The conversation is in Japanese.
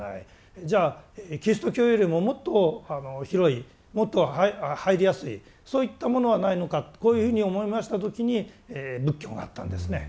じゃあキリスト教よりももっと広いもっと入りやすいそういったものはないのかとこういうふうに思いました時に仏教があったんですね。